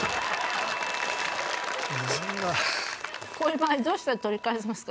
こういう場合どうしたら取り返せますか？